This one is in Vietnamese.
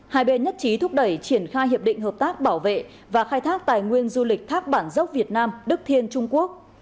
hai bên nhất trí thúc đẩy triển khai hiệp định hợp tác bảo vệ và khai thác tài nguyên du lịch thác bản dốc việt nam đức thiên trung quốc